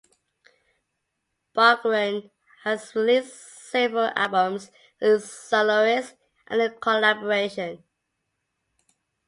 Bargeron has released several albums as a soloist and in collaboration.